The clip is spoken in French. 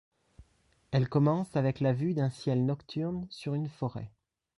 Elle commence avec la vue d'un ciel nocturne sur une forêt.